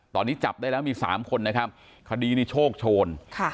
ตอนนี้จับได้แล้วมี๓คนนะครับคดีนี้โชคโชน